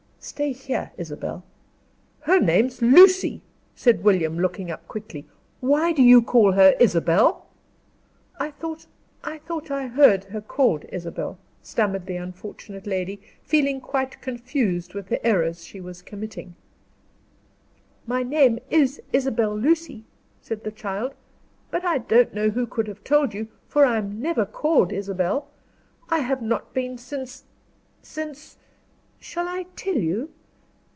"Stay here, Isabel." "Her name's Lucy," said William, looking quickly up. "Why do you call her Isabel?" "I thought thought I had heard her called Isabel," stammered the unfortunate lady, feeling quite confused with the errors she was committing. "My name is Isabel Lucy," said the child; "but I don't know who could have told you, for I am never called Isabel. I have not been since since shall I tell you?